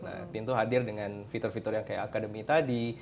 nah pintu hadir dengan fitur fitur yang kayak akademi tadi